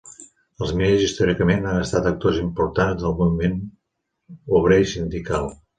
Els miners històricament han estat actors importants al moviment obrer i sindical.